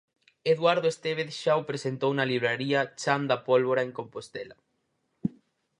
Eduardo Estévez xa o presentou na libraría Chan da Pólvora en Compostela.